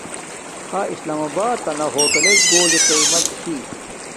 تھا اسلام آباتنا ہوٹالڎ گھولی قیمت چھی